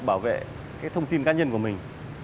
bảo vệ cái thông tin cá nhân của mình